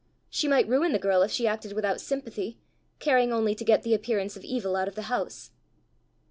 She might ruin the girl if she acted without sympathy, caring only to get the appearance of evil out of the house!